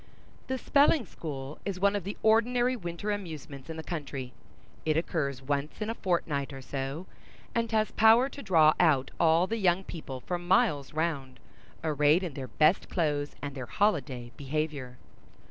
The spelling school is one of the ordinary winter amusements in the country. It occurs once in a fortnight, or so, and has power to draw out all the young people for miles round, arrayed in their best clothes and their holiday behavior.